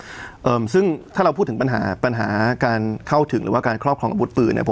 เอ่อซึ่งถ้าเราพูดถึงปัญหาปัญหาการเข้าถึงหรือว่าการครอบครองอาวุธปืนเนี่ย